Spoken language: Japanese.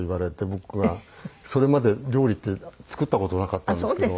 僕はそれまで料理って作った事なかったんですけど。